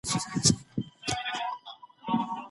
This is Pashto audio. چي معنا یې راپرځوونکی، مدافع، جنګیالی او نوري ورته معناوي لري.